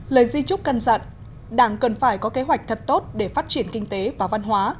lời di trúc cân dặn đảng cần phải có kế hoạch thật tốt để phát triển kinh tế và văn hóa